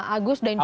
agus dan jutla